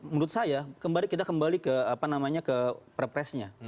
menurut saya kita kembali ke perpresnya